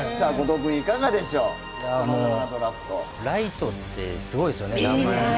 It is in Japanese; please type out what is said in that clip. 来翔ってすごいですよね、名前。